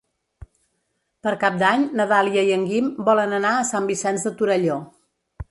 Per Cap d'Any na Dàlia i en Guim volen anar a Sant Vicenç de Torelló.